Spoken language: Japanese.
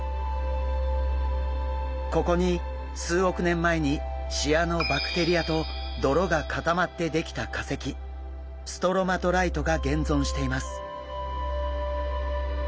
ここに数億年前にシアノバクテリアと泥が固まってできた化石ストロマトライトが現存しています。